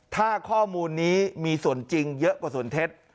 ถ้าข้อมูลนี้มีส่วนจริงเยอะกว่าส่วนเท็จ